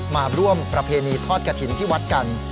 มาร่วมประเพณีทอดกระถิ่นที่วัดกัน